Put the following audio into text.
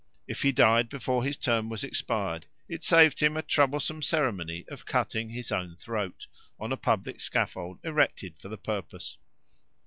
If he died before his term was expired, it saved him a troublesome ceremony of cutting his own throat, on a publick scaffold erected for the purpose.